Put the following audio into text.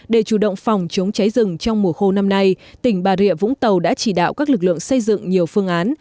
để chủ động phòng chống cháy rừng trong mùa khô năm nay tỉnh bà rịa vũng tàu đã chỉ đạo các lực lượng xây dựng nhiều phương án